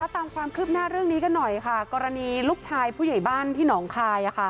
ตามความคืบหน้าเรื่องนี้กันหน่อยค่ะกรณีลูกชายผู้ใหญ่บ้านที่หนองคาย